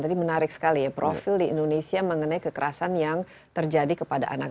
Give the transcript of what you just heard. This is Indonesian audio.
tadi menarik sekali ya profil di indonesia mengenai kekerasan yang terjadi kepada anak